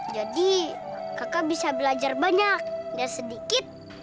jadi kakak bisa belajar banyak dan sedikit